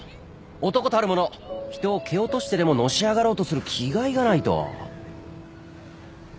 男たる者人を蹴落としてでものし上がろうとする気概がないと。